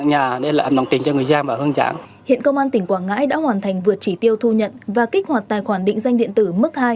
hiện công an tỉnh quảng ngãi đã hoàn thành vượt chỉ tiêu thu nhận và kích hoạt tài khoản định danh điện tử mức hai